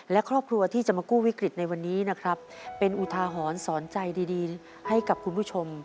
และครอบครัวที่จะมากู้วิกฤตในวันนี้นะครับเป็นอุทาหรณ์สอนใจดีให้กับคุณผู้ชม